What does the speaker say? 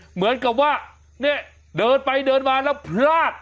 เหมือนกับว่าเนี่ยเดินไปเดินมาแล้วพลาด